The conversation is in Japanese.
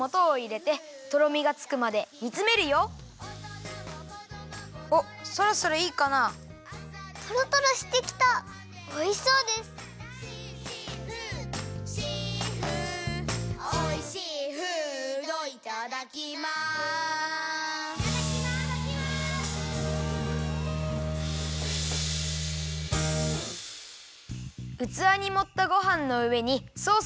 うつわにもったごはんのうえにソースをかけて。